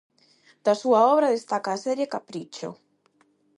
Da súa obra destaca a serie Capricho.